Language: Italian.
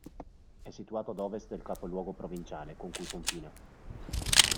È situato ad ovest del capoluogo provinciale, con cui confina.